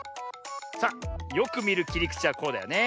さあよくみるきりくちはこうだよね。